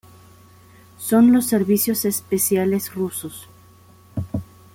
Son los servicios especiales rusos.